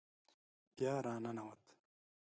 بیا را ننوت.